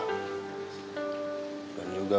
dan juga membuatnya